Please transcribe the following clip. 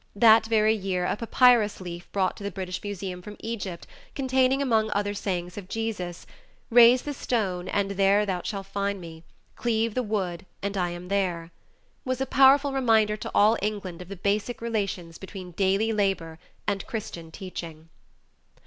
That very year a papyrus leaf brought to the British Museum from Egypt, containing among other sayings of Jesus, "Raise the stone, and there thou shalt find me; cleave the wood and I am there," was a powerful reminder to all England of the basic relations between daily labor and Christian teaching.